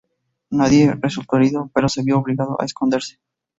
Nadie resultó herido, pero se vio obligado a esconderse.